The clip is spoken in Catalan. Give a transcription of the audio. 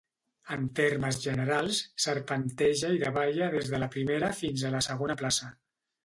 En termes generals, serpenteja i davalla des de la primera fins a la segona plaça.